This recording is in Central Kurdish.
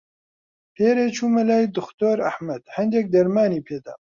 پێرێ چوومە لای دختۆر ئەحمەد، هەندێک دەرمانی پێ دام.